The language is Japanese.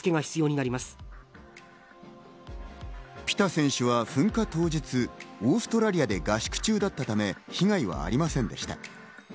ピタ選手は噴火当日、オーストラリアで合宿中だったため被害はありませんでした。